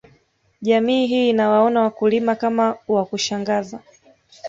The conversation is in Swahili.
Jamii hii inawaona wakulima kama wa kushangaza